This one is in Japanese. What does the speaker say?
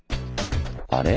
あれ？